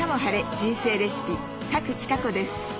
人生レシピ」賀来千香子です。